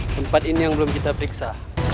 tempat ini yang belum kita periksa